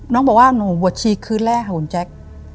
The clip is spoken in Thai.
น้องบอกว่าหนูบวชชีคืนแรกค่ะคุณแจ๊ค